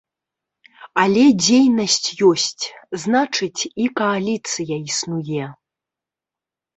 Але дзейнасць ёсць, значыць, і кааліцыя існуе.